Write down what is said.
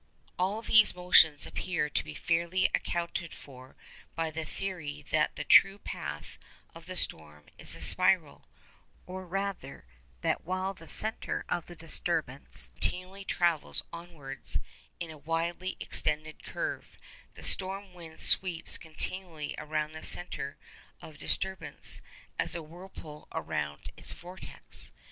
All these motions appear to be fairly accounted for by the theory that the true path of the storm is a spiral—or rather, that while the centre of disturbance continually travels onwards in a widely extended curve, the storm wind sweeps continually around the centre of disturbance, as a whirlpool around its vortex.